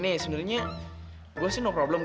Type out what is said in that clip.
sebenarnya gue sih no problem